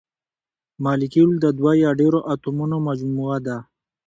مالیکول د دوه یا ډیرو اتومونو مجموعه ده.